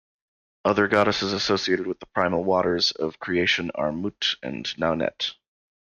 Other goddesses associated with the primal waters of creation are Mut and Naunet.